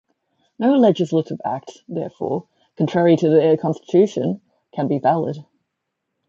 No legislative act, therefore, contrary to the Constitution, can be valid.